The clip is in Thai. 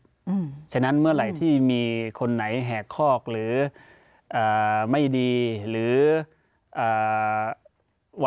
เพราะฉะนั้นเมื่อไหร่ที่มีคนไหนแหกคอกหรือไม่ดีหรืออ่า